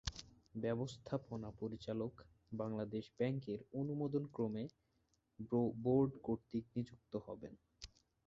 ব্যবস্থাপনা পরিচালক বাংলাদেশ ব্যাংকের অনুমোদন ক্রমে বোর্ড কর্তৃক নিযুক্ত হবেন।